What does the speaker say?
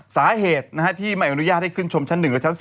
สาเหตุที่ไม่อนุญาตให้ขึ้นชมชั้น๑และชั้น๒